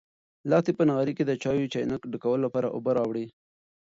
لښتې په نغري کې د چایو د چاینک د ډکولو لپاره اوبه راوړې.